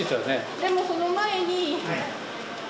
でもその前に。